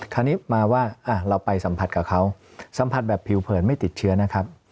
คราวนี้มาว่าเราไปสัมผัสกับเขาสัมผัสแบบผิวเผินไม่ติดเชื้อนะครับ